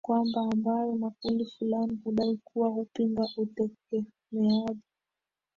kwamba ambayo makundi fulani hudai kuwa hupinga utegemeaj